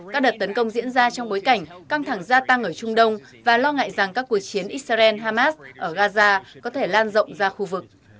các đợt tấn công diễn ra trong bối cảnh căng thẳng gia tăng ở trung đông và lo ngại rằng các cuộc chiến israel hamas ở gaza có thể lan rộng ra khu vực